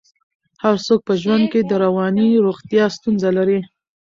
هر څوک په ژوند کې د رواني روغتیا ستونزه لري.